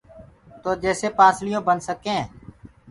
تو جيڪسي پانسݪيونٚ ٻنَد سڪين۔